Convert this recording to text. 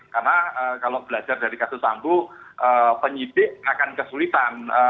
karena kalau belajar dari kasus ambu penyidik akan kesulitan